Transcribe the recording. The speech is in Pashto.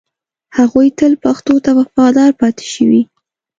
هغوی تل پښتو ته وفادار پاتې شوي